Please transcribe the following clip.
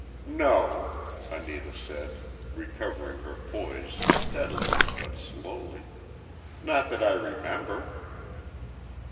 "No," Anita said, recovering her poise steadily but slowly,—"not that I remember."